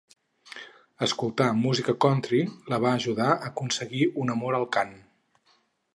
Escoltar música Country la va ajudar a aconseguir un amor al cant.